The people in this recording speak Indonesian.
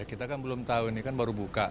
kita kan belum tahu ini kan baru buka